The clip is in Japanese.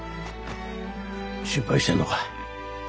心配してるのか。